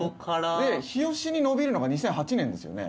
で日吉に延びるのが２００８年ですよね。